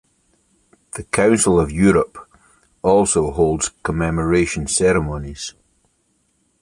The Council of Europe also holds commemoration ceremonies.